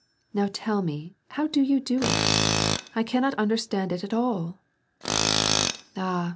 Now tell me how you do it ? I cannot understand it at all." " Ah